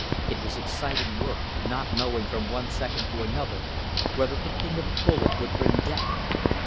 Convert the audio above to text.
It was exciting work, not knowing from one second to another whether the ping of a bullet would bring death.